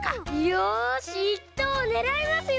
よし１とうをねらいますよ！